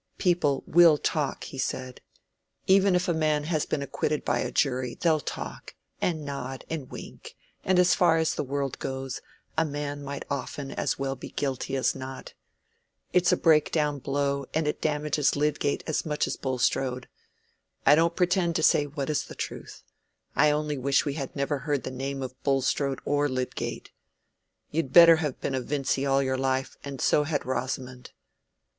"People will talk," he said. "Even if a man has been acquitted by a jury, they'll talk, and nod and wink—and as far as the world goes, a man might often as well be guilty as not. It's a breakdown blow, and it damages Lydgate as much as Bulstrode. I don't pretend to say what is the truth. I only wish we had never heard the name of either Bulstrode or Lydgate. You'd better have been a Vincy all your life, and so had Rosamond."